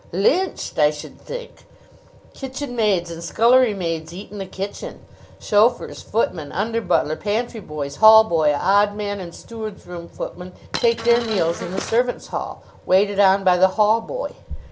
"Lynched, I should think. Kitchen maids and scullery maids eat in the kitchen. Chauffeurs, footmen, under butler, pantry boys, hall boy, odd man and steward's room footman take their meals in the servants' hall, waited on by the hall boy.